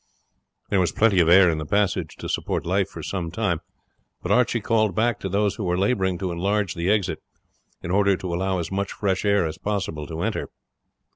There was plenty of air in the passage to support life for some time, but Archie called back to those who were labouring to enlarge the exit, in order to allow as much fresh air as possible to enter.